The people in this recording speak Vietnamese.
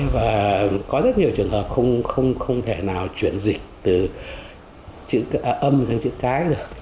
và có rất nhiều trường hợp không thể nào chuyển dịch từ âm sang chữ cái được